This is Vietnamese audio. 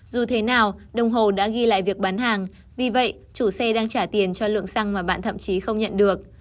dù thế nào đồng hồ đã ghi lại việc bán hàng vì vậy chủ xe đang trả tiền cho lượng xăng mà bạn thậm chí không nhận được